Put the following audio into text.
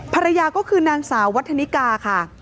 ภรรยาก็คือนางสาววัฒนิกาค่ะ